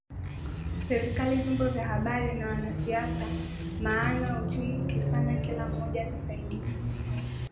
Serikali vyombo vya habari na wanasiasa maana uchumi ukipanda kila mmoja atafaidika